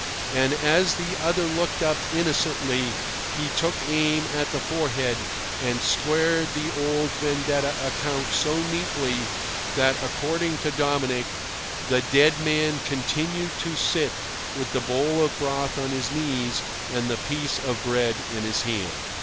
And as the other looked up innocently he took aim at the forehead and squared the old vendetta account so neatly that, according to Dominic, the dead man continued to sit with the bowl of broth on his knees and the piece of bread in his hand.